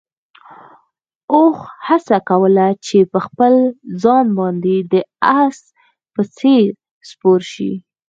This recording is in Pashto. اوښ هڅه کوله چې په خپل ځان باندې د اس په څېر سپور شي.